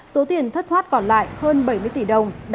số tiền thất thoát còn lại hơn bảy mươi tỷ đồng